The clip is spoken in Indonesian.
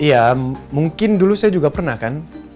ya mungkin dulu saya juga pernah kan